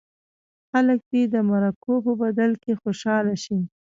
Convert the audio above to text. خلک دې د مرکو په بدل کې خوشاله شي.